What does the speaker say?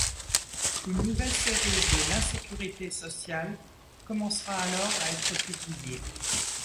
Une nouvelle série de l'Insécurité Sociale commencera alors à être publiée.